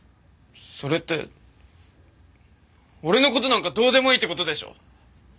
それって俺の事なんかどうでもいいって事でしょ。